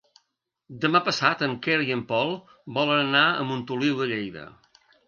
Demà passat en Quer i en Pol volen anar a Montoliu de Lleida.